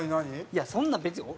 いやそんな別に。